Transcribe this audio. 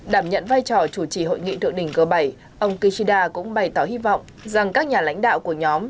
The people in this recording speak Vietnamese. đảm nhận vai trò chủ trì hội nghị thượng đỉnh g bảy ông kishida cũng bày tỏ hy vọng rằng các nhà lãnh đạo của nhóm